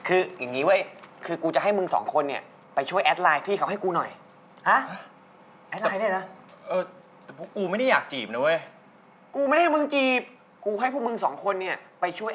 เอามึงมีอะไรอยากให้พวกกูช่วย